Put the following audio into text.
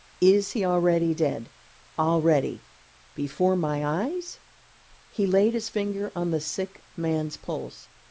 Is he already dead? already? Before my eyes?" He laid his finger on the sick man's pulse.